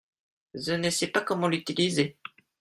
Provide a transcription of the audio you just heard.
Je ne sais pas comment l'utiliser.